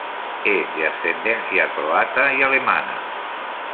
Es de ascendencia croata y alemana.